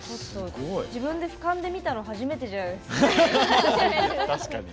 自分でふかんで見たの初めてじゃないですか。